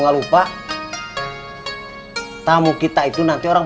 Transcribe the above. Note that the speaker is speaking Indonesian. ya sudah aku mau ngobrol